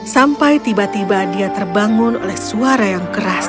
sampai tiba tiba dia terbangun oleh suara yang keras